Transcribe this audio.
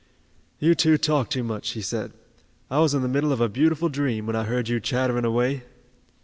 "You two talk too much," he said. "I was in the middle of a beautiful dream, when I heard you chattering away."